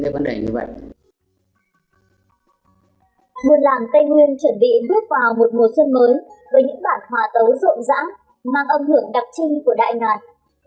nguồn làng tây nguyên chuẩn bị bước vào một mùa xuân mới với những bản hòa tấu rộng rãng mang ấm hưởng đặc trưng của đại ngàn